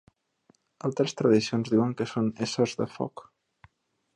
Altres tradicions diuen que són éssers de foc.